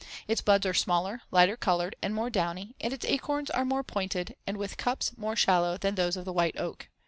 Its buds are smaller, lighter colored and more downy and its acorns are more pointed and with cups more shallow than those of the white oak.